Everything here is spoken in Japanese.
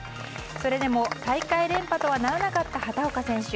それでも大会連覇とはならなかった畑岡選手。